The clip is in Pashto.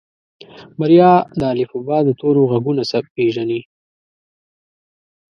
بريا د الفبا د تورو غږونه پېژني.